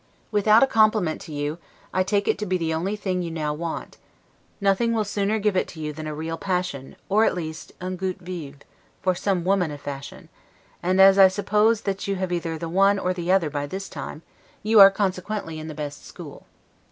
Without a compliment to you, I take it to be the only thing you now want: nothing will sooner give it you than a real passion, or, at least, 'un gout vif', for some woman of fashion; and, as I suppose that you have either the one or the other by this time, you are consequently in the best school.